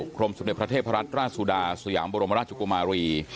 กรมสมเด็จพระเทพรัตนราชสุดาสยามบรมราชกุมารี